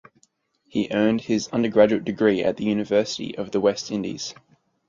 He earned his undergraduate degree at the University of the West Indies.